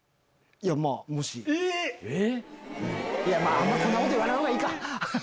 あんまこんなこと言わない方がいいか。